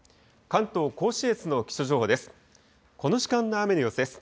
関東甲信越の気象情報です。